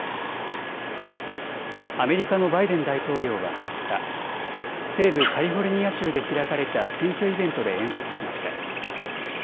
アメリカのバイデン大統領は２０日、西部カリフォルニア州で開かれた選挙イベントで演説しました。